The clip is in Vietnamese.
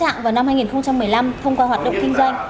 hãy theo dõi nha